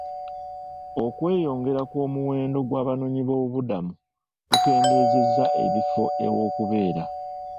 Okweyongera kw'omuwendo gw'abanoonyiboobubudamu kukendeezezza ebifo ew'okubeera.